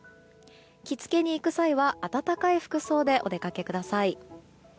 着付けに行く際は暖かい服装でお出かけください。